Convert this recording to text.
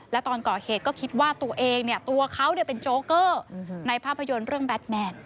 และตอนก่อเหตุก็คิดว่าตัวเองตัวเขาเป็นโจ๊เกอร์ในภาพยนตร์เรื่องแบทแมน